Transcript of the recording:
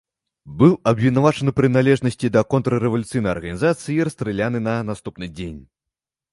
Быў абвінавачаны ў прыналежнасці да контррэвалюцыйнай арганізацыі і расстраляны на наступны дзень.